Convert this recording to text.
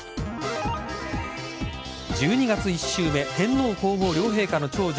１２月１週目天皇皇后両陛下の長女